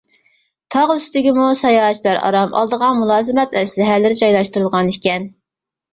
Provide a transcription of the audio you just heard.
تاغ ئۈستىگىمۇ ساياھەتچىلەر ئارام ئالىدىغان مۇلازىمەت ئەسلىھەلىرى جايلاشتۇرۇلغان ئىكەن.